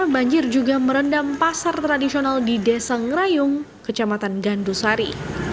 banjir juga merendam pasar tradisional di desa ngerayung kecamatan gandusari